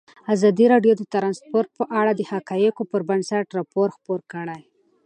ازادي راډیو د ترانسپورټ په اړه د حقایقو پر بنسټ راپور خپور کړی.